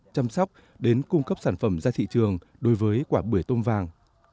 chăm sóc đến cung cấp sản phẩm ra thị trường đối với quả bưởi tôm vàng